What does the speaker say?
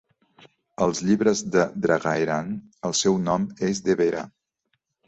Als llibres de Dragaeran el seu nom és Devera.